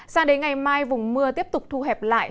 sao đến ngày mai vùng mưa tiếp tục thu hẹp lại